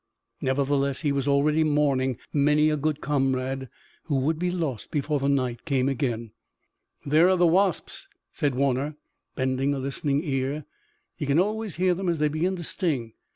Nevertheless he was already mourning many a good comrade who would be lost before the night came again. "There are the wasps!" said Warner, bending a listening ear. "You can always hear them as they begin to sting.